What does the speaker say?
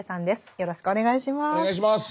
よろしくお願いします。